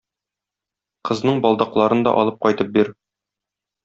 Кызның балдакларын да алып кайтып бир.